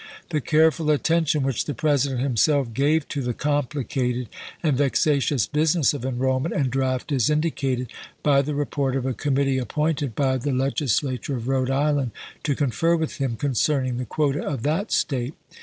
The careful attention which the President himself gave to the complicated and vexatious business of enrollment and draft is indicated by the report of a committee appointed by the Legislature of Rhode Island to confer with him concerning the quota of that State.